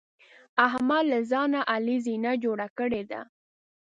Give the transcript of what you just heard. احمد له ځان نه علي زینه جوړه کړې ده.